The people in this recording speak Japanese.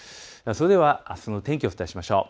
それではあすの天気、お伝えしましょう。